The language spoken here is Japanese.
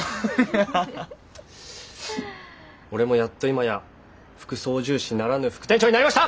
俺もやっと今や副操縦士ならぬ副店長になりました！